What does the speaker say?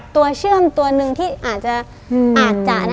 เชื่อมตัวหนึ่งที่อาจจะ